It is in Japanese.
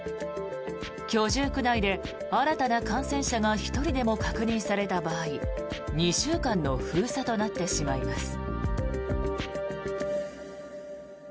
居住区内で新たな感染者が１人でも確認された場合２週間の封鎖となってしまいます。